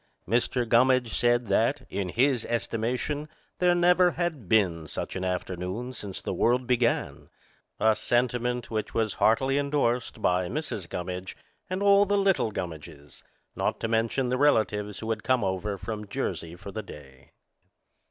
Mr. Gummidge said that, in his estimation, there never had been such an afternoon since the world began, a sentiment which was heartily endorsed by Mrs. Gummidge and all the little Gummidges, not to mention the relatives who had come over from Jersey for the day.